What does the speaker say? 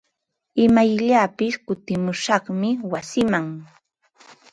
Imayllapis kutimushaqmi wasiiman.